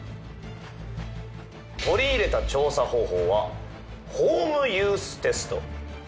取り入れた調査方法はホームユーステスト。